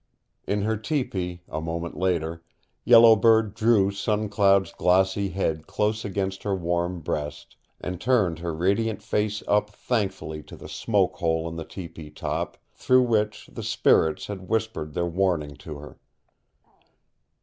In her tepee, a moment later, Yellow Bird drew Sun Cloud's glossy head close against her warm breast, and turned her radiant face up thankfully to the smoke hole in the tepee top, through which the spirits had whispered their warning to her.